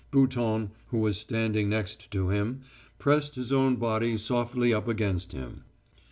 Bouton, who was standing next to him, pressed his own body softly up against him.